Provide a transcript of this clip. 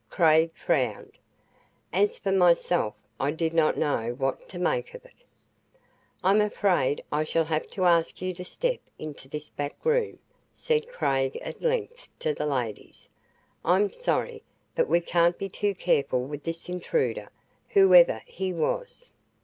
Craig frowned. As for myself, I did not know what to make of it. "I'm afraid I shall have to ask you to step into this back room," said Craig at length to the ladies. "I'm sorry but we can't be too careful with this intruder, whoever he was."